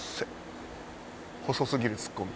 細すぎるツッコミ。